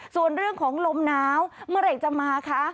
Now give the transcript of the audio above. ส่วนเรื่องของลมหนาวเมื่อไหร่จะมาคะ